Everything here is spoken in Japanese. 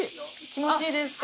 気持ちいいですか？